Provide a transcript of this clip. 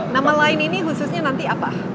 nama lain ini khususnya nanti apa